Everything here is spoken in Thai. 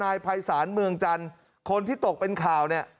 นายภัยศาลเมืองจันทร์คนที่ตกเป็นข่าวเนี่ย